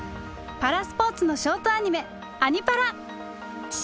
パラスポーツのショートアニメ「アニ×パラ」！